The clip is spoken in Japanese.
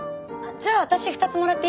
じゃあ私２つもらっていい？